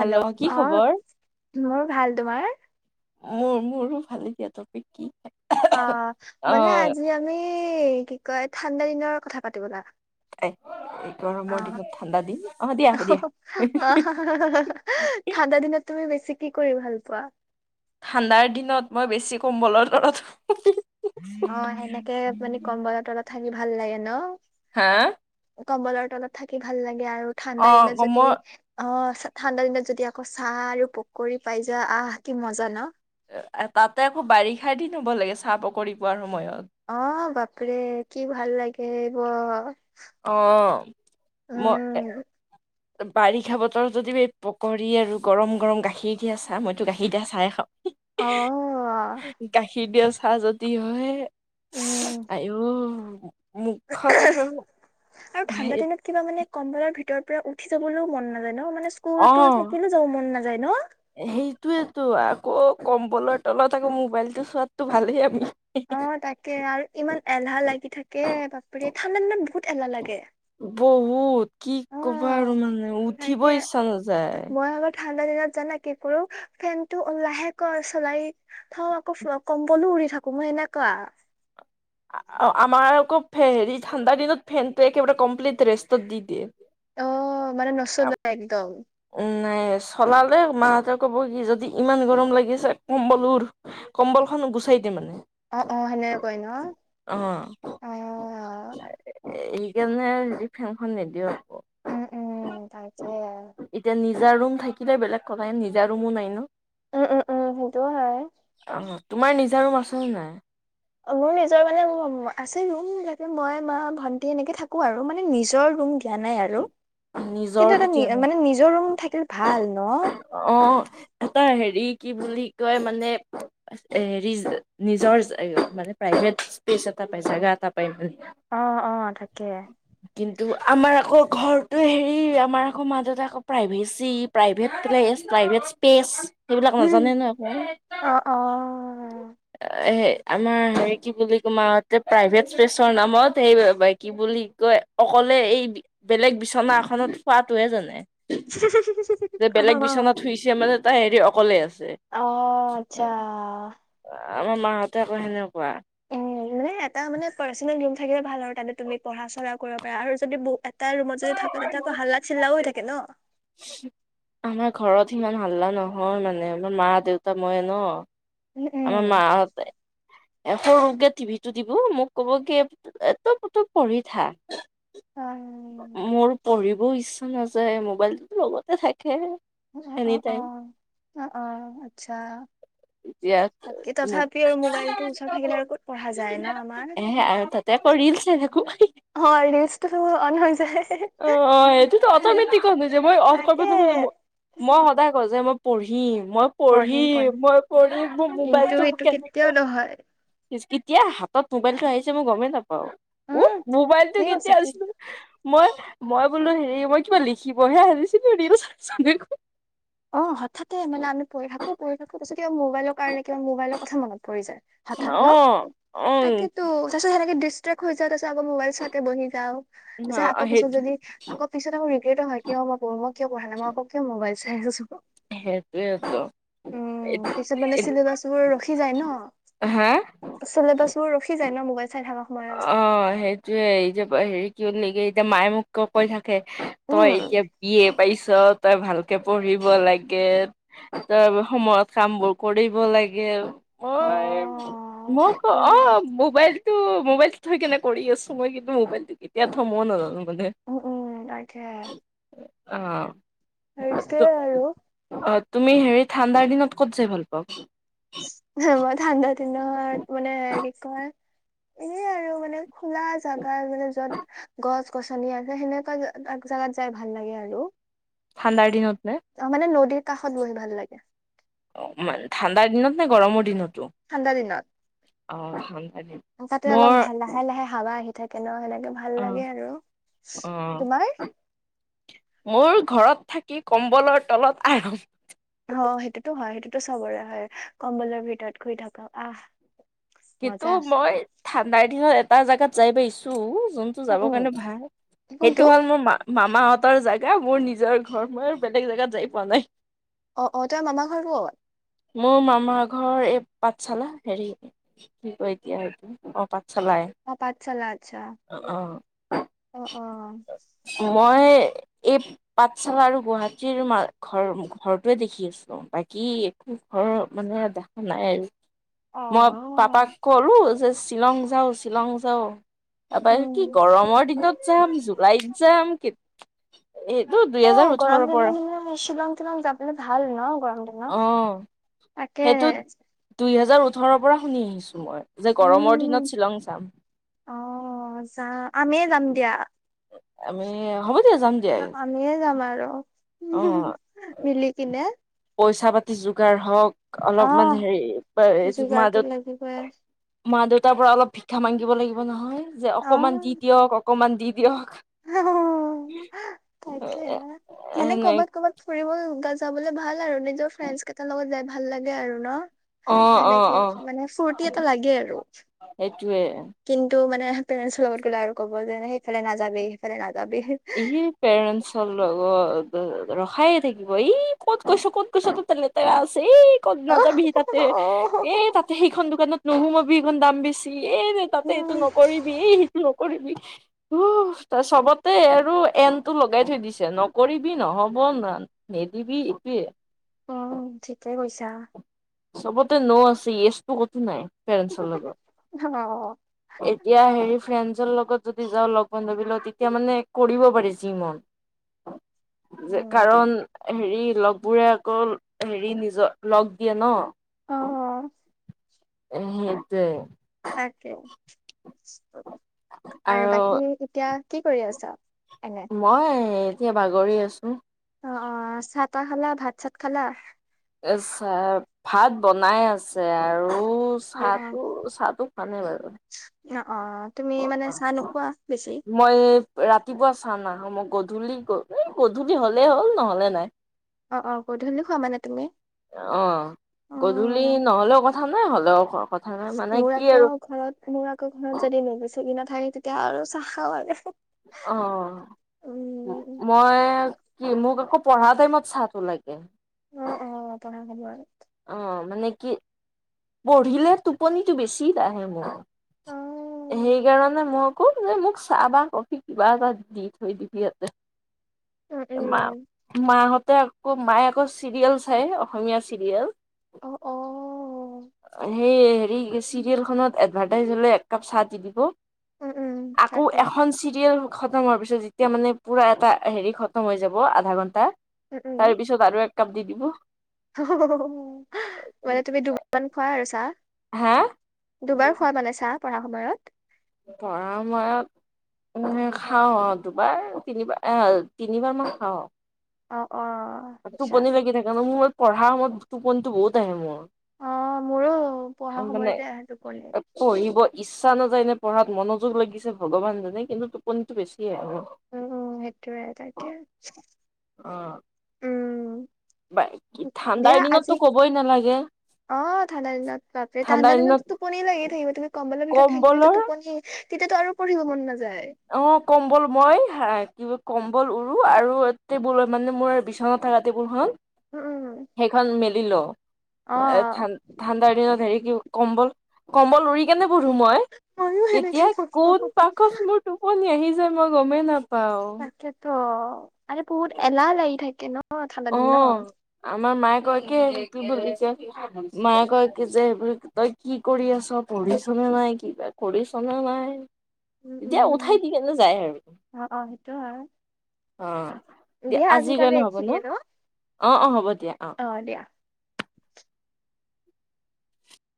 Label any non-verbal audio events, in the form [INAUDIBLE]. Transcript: Hello কি আহ খবৰ? মোৰ ভাল তোমাৰ মোৰ মোৰো ভালে দিয়া। তপিক কি? অ বোলে অ' আজি আমি কি কয় ঠাণ্ডা দিনৰ কথা পাটো বলা। [UNINTELLIGIBLE] আহ দিনত ঠাণ্ডা দিন অ' দিয়া হ'ব দিয়া আহ ঠাণ্ডা দিনত তুমি বেছি কি কৰি ভাল পোৱা? ঠাণ্ডাৰ দিনত মই বেছি কম্বলৰ তলত অ' সেনেকে মানে উম কম্বলৰ তলত থাকি ভাল লাগে ন হা কম্বলৰ তলত থাকি ভাল লাগে আৰু ঠাণ্ডা অ' দিনত যদি কমৰ অ ঠাণ্ডা দিনত যদি আকৌ চাহ আৰু পকৰি পাই যা, আহ কি মজা ন? তাতে আকৌ বাৰিষা দিন হ'ব লাগে চাহ পকৰি পোৱাৰ সময়ত। অ বাপৰে কি ভাল লাগে এই বোৰ। অহ মই বাৰিষা বতৰত যদি পকৰী আৰু গৰম গৰম গাখীৰ দিয়া চাহ মইতো গাখীৰ দিয়া চাই খাওঁ। অ। চ যদি হয় উম আইও মুখত আৰু আৰু ঠাণ্ডা দিনত কিবা মানে কম বলৰ ভিতৰ পৰা উঠি যাবলৈও মন নাযায় ন ম। মানে [UNINTELLIGIBLE] স্কুলতো অ' থাকিলে যাব মন নাযায়? ন সেইটোয়েতো আকৌ কম্বলৰ তলত আকৌ মোবাইলতটো চোৱাতটো ভালেই আমি অ তাকে আৰু ইমান এলাহ লাগি থাকে বাপৰি ঠাণ্ডা দিনত বহুত এলাহ লাগে। বহুত কি অ কবা আৰু মানে উঠিব তাকে ইচ্ছা নাযায়। মই আকৌ ঠাণ্ডা দিনত জানা কি কৰো ফেন টো লাহে চলাই থওঁ আকৌ কম্বলো উৰি থাকো। তুমি এনেকোৱা। আমাৰ আকৌ হেৰি ঠাণ্ডা দিনত ফেনটো একেবাৰে কমপ্লিট ৰেষ্টত দি দিয়ে। অ মানে নচলে একদম। উম নাই চলালে মাহঁতে ক'ব কি যদি ইমান গৰম লাগিছে কম্বলোৰ কম্বল খন গুচাই দিয়ে মানে। অ অ সেনেক কয় ন? অ অ। কেনে ফেনখন নিদিও আক। উম উম তাকে। এতিয়া নিজা ৰুম থাকিলে, বেলেগ কথা। নিজা ৰুমো নাই ন। উম উম উম সেইটোও হয় আহ তোমাৰ নিজাৰুম আছে নে নাই। মোৰ নিজৰ মানে আছে ৰুমাকে মই মা ভন্টি এনেকে থাকো আৰু মানে নিজৰ ৰুম। ৰোম দিয়া নাই আৰু। কিন্তু নিজৰ এটা কে নি দিয়া মানে নিজৰ নাই ৰুম থাকিলে ভাল ন। অ এটা হেৰি, কি বুলি কয়, মানে হেৰি নিজৰ মানে প্ৰাইভেট স্পেচত, পেছে জাগা এটা পায় মানে অ অ থাকে। কিন্তু আমাৰ আকৌ ঘৰটো হেৰি আমাৰ আকৌ মা দেউতাক আকৌ প্ৰাইভেচ C private place private space. সেইবিলাক উম, নাজানে না। অ অ আমাৰ হে কি বুলি ক আমাৰ প্ৰাইভেট প্লেচৰ নামত সেই কি বুলি কয় অ কলে এই বেলেগ বিচনা এখনত হুৱাটোৱে জানে। যে অ বেলেগ বিচনাত শুইছে মানে তাই হেৰি অকলে আছে। অহ আচ্ছা। আমাৰ মাঁহতে আকৌ সেনেকুৱা। উম মানে এটা মানে পাৰ্চনেল ৰুম থাকিলে ভাল আৰু তাতে তুমি পঢ়া চয়া কৰিব পৰা আৰু যদি ব তাই ৰুমত যদি থাকে তেতিয়া আকৌ হাল্লাক চিল্লাও হৈ থাকে ন। আমাৰ ঘৰত সিমান হাল্লা নহয় মানে আমাৰ মা দেউতা মই ন উম উম। আমাৰ ম হতে। এ সৰুকে টিভিটো দিব মোক কব কি এ তপ তপ পঢ়ি থা। অ মোৰ পঢ়িবও ইচ্ছা নাযায় মোবাইলটোতো লগতে থাকে। অহ এনি অ অহ টাইম অহ অ আচ্ছা। এতিয়াত বাকী মোক তথাপি আৰু মোবাইলটো ওচৰত থাকিলে আৰু ক'ত পঢ়া যায় ন [UNINTELLIGIBLE] আমাৰ স আৰু তাতে অ ৰিল চাই থাকো। অ ৰিলচটো অন হৈ যায় অ অ সেইটোতো অটমেটিক তাকে [UNINTELLIGIBLE] মই সদায় কওঁ যে মই পঢ়িম, মই পঢ়িম মই পৰি মোৰ কিন্তু মোবাইলটো এইটো কেনে, কেতিয়াও নহয় কেতিয়া হাতত মোবাইলটো আহি যাই মই গমেই নাপাও উ উম মোবাইলটো ঠিক কৈছা কেতিয়া ঠিক আছিল। মই মই বোলো হেৰি মই কিবা লিখিবহে আহিছিলো ল। [UNINTELLIGIBLE] অ হঠাতে মানে আম পঢ় থাকো পঢ় থাকো পিছত কিবা মোবাইলৰ কাৰণে কিবা মোবাইৰ কথা মন। যায় হঠাৎ ন? অ', উম, তাকেতো তাৰিছত সেনেকে ডিষ্টাৰ্ব হৈ য়ায। তই আকৌ মোবাইল চাতে বহি যাও, আকৌ পিছত সেইটো যদি আকৌ পিছতে মোৰ ৰিগ্ৰেট হয়। কিয় মই [UNINTELLIGIBLE] মোবল চাই আছো সেইটোয়েটো। উম পিছত মানে চিলেবাচ বোৰ ৰখি যায় হা ন চিলেবাচ বোৰ ৰখি যায় ন মোক অ সেইটোয়ে। এই যে হেৰি কি লেকে এতিয়া মায়ে মোক ক কৈ থাক - তই উম। এতিয়া বিয়ে। পাইৰিছ তই ভালকে পঢ়িব লাগে তই সময়ত কাম বোৰ কৰিব লাগে। লাগে অ মই মোক তাকে অ মোবাইল। মোবাইলত থৈ কেনে কৰি আছো মই কিন্তু মোবাইলটো কেতিয়া থ মই নাজানো। মানে উ উম তাকে। অ আছে ত আৰু। অ তুমি হেৰি ঠাণ্ডাৰ দিনত ক'ত যাই ভাল পাওঁ। মই ঠাণ্ডা দিনৰ মানে কি কয়। এয় আৰু মানে খোলা জোগা মানে যত গছ গছনি আছে সেনেকুৱা। জগাত যাই ভাল লাগে আৰু। ঠাণ্ডাৰ দিনত নে। অ মানে নদীৰ কাষত বহি ভাল লাগে। অন ঠাণ্ডাৰ দিনত নে গৰমৰ দিনত। ঠাণ্ডা, দিনত অ। দিন তাতে অলপ মোৰ ভাল লাহে লাহে হাৱা আহি থাকে ন সেনেকে ভাল অ লাগে আৰু অ তোমাৰ। মোৰ ঘৰত থাকি কম্বলৰ তলত আৰাম। অ সেইটোতো হয় সেইটোতো চবৰে হয় কম্বলৰ ভিতৰত শুই থাক আহ। সেইটো মজা। মই ঠাণ্ডাৰ, দিনত এটা জাগাত যাই পাইিছো। যোনটো উম যাবৰ উম। কাৰণে ভাল কোনটো সেইটো হ'ল মোৰ মা মামাহঁতৰ জেগা মোৰ নিজৰ ঘৰ মই বেলেগ জেগাত যাই পোৱা নাই। অ অ তোমাৰ মামা ঘৰ কত। মোৰ মামাৰ ঘৰ এই পাঠশালা হেৰি কি কয় এতিয়াম অ পা। অ পাঁচশালা আচ্ছা অ অ অ। মই এই পাঠশালা, আৰু গুৱাহাটীৰ, মা ঘৰ ঘৰৰতোৱে দেখি আছিলো বাকী কি একো ঘৰৰ মানুহে দেখা নাই আৰু অ অ। কৰলো যে শ্বিলং যাওঁ শ্বিলং যাওঁ তাৰপৰা কি উম। গৰমৰ দিনত যাম জুলাইত যাম কে- অ গৰম দিনৰ দি আমি শ্বিলং, তিশ্বিলং যাবলৈ ভাল ন গৰম দিনত। অ তাকে। সেইটো দুই হেজাৰ ওঠৰৰ পৰা শুনি আহিছো মই। যে গৰমৰ উম দিনত শ্বিলং চাম। অ যাম আমি এই যাম দিয়া। আমি হ'ব দিয়া যাম দিয়া আমি যাম আৰু। অ মিলি কিনে। পইচা পাতি যোগাৰ হওঁক অ অলপমান হেৰি যোগাৰটো মাজত লাগিবই মা দেউতাৰ পৰা অলপ ভিক্ষা মাগিব লাগিব নহয়। যে অকণমান দি দিয়ক অকণমান দি দিয়ক। অ। উম। তাকে মানে কৰ'বাত ক'বাত ফুৰিবা যাবলে ভাল। আৰু নিজৰ ফ্ৰেণ্ডছ কেইটাৰ লগত যাই ভাল লাগে আৰু ন? অ অ সেনেকে অ মানে ফুৰ্তি এটা লাগে আৰু। টোৱে কিন্তু গলে আৰু ক' যেনে সেইফালে নযাবি সেইফালে নাযায়। [UNINTELLIGIBLE] ই পেৰেন্টছৰ লগত- ৰখাইে থাকিব, এই ক'ত কৈছো ক'ত কৈছ তোৰ ততে লেটেৰা আছে [UNINTELLIGIBLE] এই ক'ত অ' নাযাবি, তাতে এ তাতে সেইখন দোকানত নোসুমাবি সেইখন দাম বেছি। এ তাতে এইটো উম নকৰিবি এই সেইটো নকৰিবি ত ত চবত- তে আৰু এনটো লগাই থৈ দিছে নকৰিবি নহ'ব ন নিদিবি একোৱেইে। উম ঠিকে কৈছা। চবতে ন আছে ইয়েচটো কতো নাই ফ্ৰেন্সৰ লগত অ এতিয়া হেৰি ফ্ৰেন্স। ৰ লগত যদি যাওঁ লগ বান্ধৱী তেতিয়া মানে কৰিব পাৰি যি মন। যে উম কাৰণ হেৰি লগ বোৰে আকৌ হেৰি নিজৰ লগ দিয়ে ন। অহ অ। অ সেইটোৱে। তাকে আৰু বাকী এতিয়া কি কৰি আছা। এনে মই এতিয়া বাগৰি আছো। অ অ চাহ তাহ খালা ভাত চাত খালা। আছা ভাত বনাই আছে আৰু উ অ অ চাহটো চাহটো খোৱা নাই বাৰু। অ অ তুমি মানে চাহ নোখোৱা বেছি মই ৰাতিপুৱা চা নাখাও ম। [UNINTELLIGIBLE] গধূলি, গধূলি হ'লেই হ'ল নহ'লে নাই। অ অ গধূলি খোৱা মানে তুমি- অহ। গধূলি, অ নহ'লেও কথা নাই হলেও কথা নাই মানে মোৰ কি আকৌ আৰু [UNINTELLIGIBLE] মোৰ আকৌ ঘৰত যদি নোখোজে। ঠাৰ তেতিয়া আৰু চাহ খা লাগে। অ। মই কি মোক আকৌ পঢ়া টাইমত চাহটো লাগে। অ অ অ পঢ়া সময়ৰ [UNINTELLIGIBLE] অ মানে কি। পঢ়িলে টোপনিটো বেছি আহে মোৰ। অ সেই উম কাৰণে মই কওঁ যে মোক চাহ বা কফি কিবা এটা দি থৈ দিবি ইয়াতে [UNINTELLIGIBLE] [INAUDIBLE] মা উম মাহঁতে আকৌ মায়ে আকৌ চিৰিয়েল চাই অসমীয়া চিৰিয়েল। অ অ সেই হেৰি চিৰিয়েলখনত এডভাৰ্টাইজ হলে এক কাপ চাহ দি দিব উম উম আকৌ তাকে এখন চিৰিয়েল। খতম হোৱাৰ পিছত যেতিয়া মানে পূৰা এটা হেৰি খতম হৈ যাব আধা ঘণ্টা তাৰ পিছত আৰু এক কাপ দি দিব অ হ হ মানে তুমি দুবিমান খুৱাই আৰু চাহ। হা [UNINTELLIGIBLE] দুবাৰ খোৱা মানে চাহ পঢ়া সময়ত? পঢ়া সময়ত খাওঁ অ দুবাৰ তিনিবাৰ, তিনিবাৰ মান খাওঁ অ অ অ আচ্ছা টোপনি লাগি থাকে ন মোৰ পঢ়াৰ সময়ত টোপনি বহুত আহে মোৰ অ মোৰো পঢ়া মানে সময়তে আহে টোপনি পঢ়িব ইচ্ছা [UNINTELLIGIBLE] নাযায় নে পঢ়াত মনোযোগ লাগিছে ভগৱান জানে কিন্তু টোপনিটো বেচি [UNINTELLIGIBLE] কি আৰু উম উম সেইটোয়ে তাকে অ। উম। বা দিয়া ঠাণ্ডাৰ আজি দিনতো কবই নালাগে। অ ঠাণ্ডা দিনত ঠাণ্ডাৰ দিনত ঠাণ্ডাদিনতটো টোপনি লাগিয়ে থাকিব, তুমি কম্বলৰ ভিতৰত থাকিলে কম্বলৰ টোপনি- তেতিয়াতো আৰু পঢ়িব মন নাযায়। অ কম ব'ল মই কি? কম্বল উৰু আৰু টেবুল মানে মোৰ বিচনাত থাকা টেবুলখন উম উম সেইখন মেলি লওঁ। অ ঠাণ্ডাৰ দিনত হেৰি কি- কম্বল কম্বল উৰি কেনে, পঢ়ো মই ময়ো সেনেকে এতিয়া কোন পঢ়ো পাষত মোৰ টোপনি আহি যায় মই গমেই নাপাওঁ। তাকেত আৰে বহুত এলাহ লাগি থাকে ন। ঠাণ্ডা অ দিনত আমাৰ মায়ে কয় কি কি বুজিছে মায়ে কয় কি যে, এইবোৰ তই কি কৰি আছ,? পঢ়িছনে নাই কিবা কৰিছনে? নাই, উম এতিয়া উম উঠাই দি কেনে যায় আৰু। অ অ সেইটো হয় অ, দিয়া আজিৰ কাৰণে হ'ব ন? অ অ হ'ব দিয়া অ।